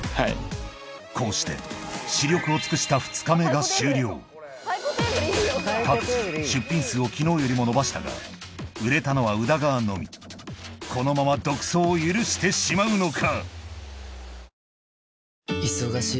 こうして死力を尽くした２日目が終了各自出品数を昨日よりも伸ばしたが売れたのは宇田川のみこのまま独走を許してしまうのか？